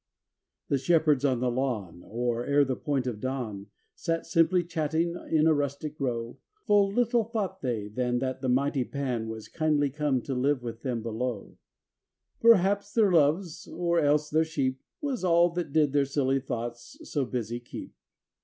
vin The Shepherds on the lawn, Or ere the point of dawn, Sat simply chatting in a rustic row; Full little thought they than That the mighty Pan Was kindly come to Uve with them below: Perhaps their loves, or else their sheep, Was all that did their silly thoughts so busy keep.